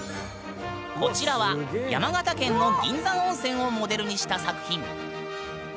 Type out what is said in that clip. こちらは山形県の銀山温泉をモデルにした作品。